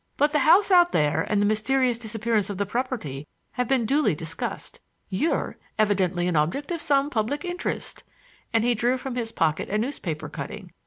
But the house out there and the mysterious disappearance of the property have been duly discussed. You're evidently an object of some public interest,"—and he drew from his pocket a newspaper cutting.